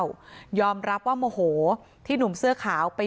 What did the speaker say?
ด้วยเหตุผลอะไรก็แล้วแต่ก็ทำร้ายกันแบบนี้ไม่ได้